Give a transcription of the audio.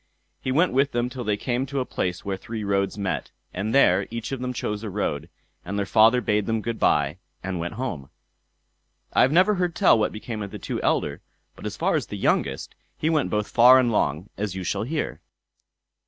He went with them till they came to a place where three roads met, and there each of them chose a road, and their father bade them good bye, and went back home. I have never heard tell what became of the two elder; but as for the youngest, he went both far and long, as you shall hear.